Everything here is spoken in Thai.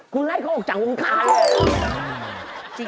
คุณไล่เขาออกจากวงคาเลย